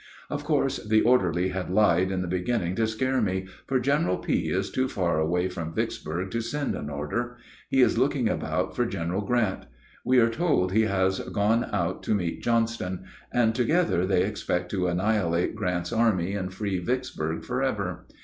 Of course the orderly had lied in the beginning to scare me, for General P. is too far away from Vicksburg to send an order. He is looking about for General Grant. We are told he has gone out to meet Johnston; and together they expect to annihilate Grant's army and free Vicksburg forever.